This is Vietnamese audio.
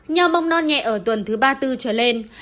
nho bong non nhẹ ở tuần thứ ba mươi bốn trở lên